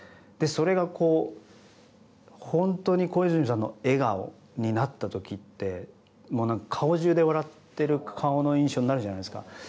でそれがこう本当に小泉さんの笑顔になった時ってもう顔中で笑ってる顔の印象になるじゃないですか。